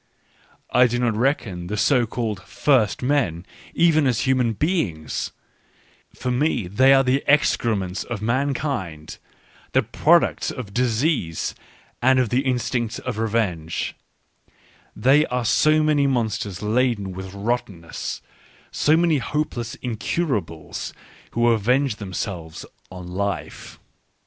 I do not reckon the so called " first " men even as human beings — for me they are the excrements of mankind, the products of disease and of the instinct of revenge : they are so many monsters laden with rottenness, so many hopeless fcictitfables, who avenge them selves on life.